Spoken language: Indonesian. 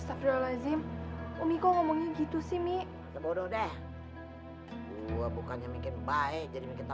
astagfirullahaladzim omiko ngomongnya gitu sih mi bodoh deh gua bukannya bikin baik jadi kita